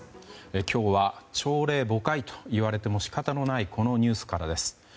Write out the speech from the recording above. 今日は朝令暮改と言われても仕方のないこのニュースからです。